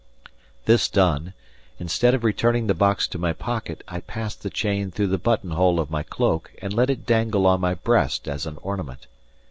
This done, instead of returning the box to my pocket I passed the chain through the buttonhole of my cloak and let it dangle on my breast as an ornament.